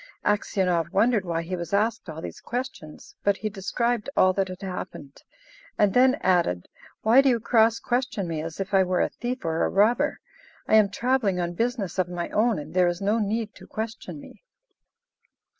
Aksionov wondered why he was asked all these questions, but he described all that had happened, and then added, "Why do you cross question me as if I were a thief or a robber? I am travelling on business of my own, and there is no need to question me."